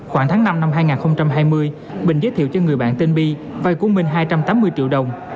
khoảng tháng năm năm hai nghìn hai mươi bình giới thiệu cho người bạn tên bi vay của minh hai trăm tám mươi triệu đồng